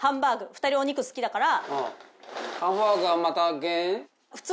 ２人お肉好きだから。